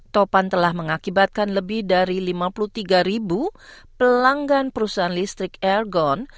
topan telah mengakibatkan lebih dari lima puluh tiga ribu pelanggan perusahaan listrik airgon